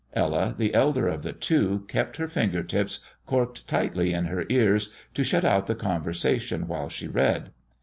Ella, the elder of the two, kept her finger tips corked tightly in her ears to shut out the conversation while she read.